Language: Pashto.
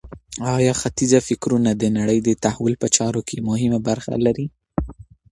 آیا ختیځه فکرونه د نړۍ د تحول په چارو کي مهمه برخه لري؟